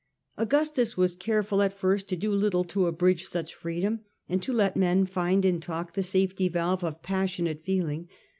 Augustus was careful at the first to do little to abridge such freedom, and to let men find in talk the safety valve of passionate feeling.